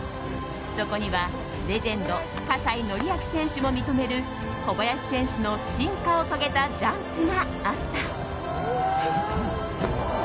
そこには、レジェンド葛西紀明選手も認める小林選手の進化を遂げたジャンプがあった。